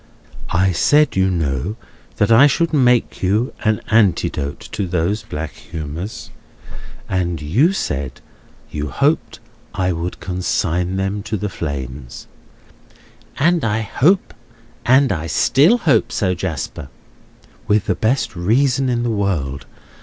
"I said, you know, that I should make you an antidote to those black humours; and you said you hoped I would consign them to the flames." "And I still hope so, Jasper." "With the best reason in the world!